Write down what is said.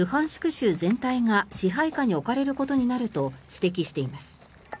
州全体が支配下に置かれることになると指摘しています。